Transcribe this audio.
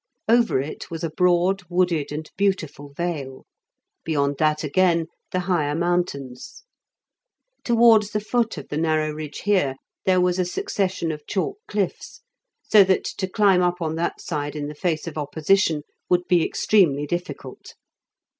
Over it was a broad, wooded, and beautiful vale; beyond that again the higher mountains. Towards the foot of the narrow ridge here, there was a succession of chalk cliffs, so that to climb up on that side in the face of opposition would be extremely difficult.